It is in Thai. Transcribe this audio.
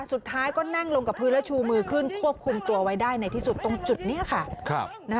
สุดท้ายก็นั่งลงกับพื้นแล้วชูมือขึ้นควบคุมตัวไว้ได้ในที่สุดตรงจุดนี้ค่ะ